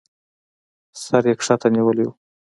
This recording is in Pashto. سر يې کښته نيولى و.